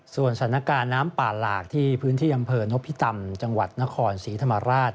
ส่วนสถานการณ์น้ำป่าหลากที่พื้นที่อำเภอนพิตำจังหวัดนครศรีธรรมราช